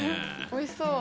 おいしそう。